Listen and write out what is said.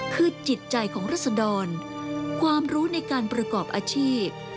คือจิตใจของรัศดรความรู้ในการประกอบอาชีพ